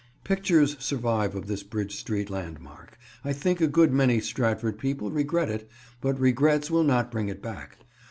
Pictures survive of this Bridge Street landmark. I think a good many Stratford people regret it, but regrets will not bring it back.